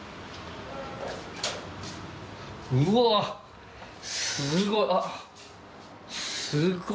うわ、すごい。